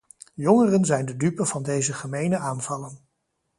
Jongeren zijn de dupe van deze gemene aanvallen.